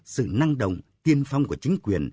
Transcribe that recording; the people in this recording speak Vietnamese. sự năng động tiên phong của chính quyền